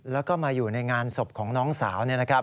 แล้วก็มาอยู่ในงานศพของน้องสาว